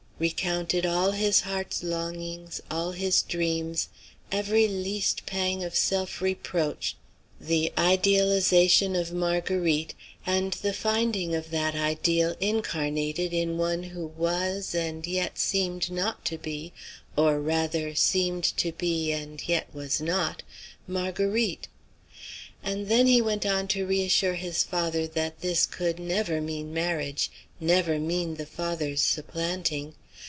Recounted all his heart's longings, all his dreams, every least pang of self reproach, the idealization of Marguerite, and the finding of that ideal incarnated in one who was and yet seemed not to be, or rather seemed to be and yet was not, Marguerite. And then he went on to re assure his father that this could never mean marriage, never mean the father's supplanting.